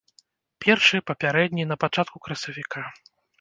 Першы, папярэдні, на пачатку красавіка.